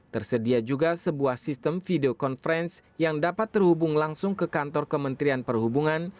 tersedia juga sebuah sistem video conference yang dapat terhubung langsung ke kantor kementerian perhubungan